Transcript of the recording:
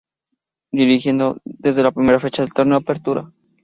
Dirigiendo desde la primera fecha del Torneo Apertura.